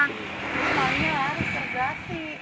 malinya harus diregasi